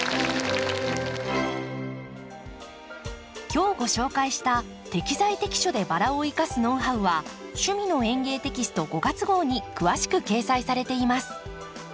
今日ご紹介した適材適所でバラを生かすノウハウは「趣味の園芸」テキスト５月号に詳しく掲載されています。